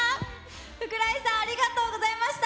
福来さんありがとうございました。